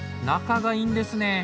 仲がいいんですね。